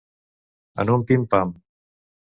En un pim-pam.